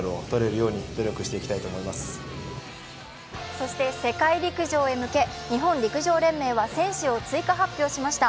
そして世界陸上へ向け日本陸上連盟は選手を追加発表しました。